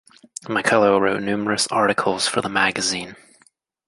McCullough wrote numerous articles for the magazine.